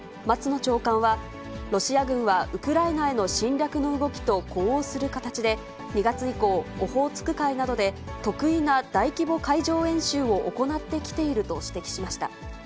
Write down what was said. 松野長官は、ロシア軍は、ウクライナへの侵略の動きと呼応する形で、２月以降、オホーツク海などで、特異な大規模海上演習を行ってきていると指摘しました。